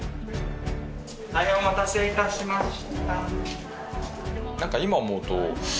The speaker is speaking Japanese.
大変お待たせいたしました。